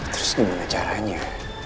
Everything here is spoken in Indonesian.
terus gimana caranya